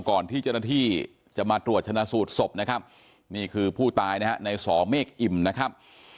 ก่อนที่เจ้าหน้าที่จะมาตรวจชนะสูตรศพนะครับนี่คือผู้ตายนะฮะในสอเมฆอิ่มนะครับ